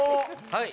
はい。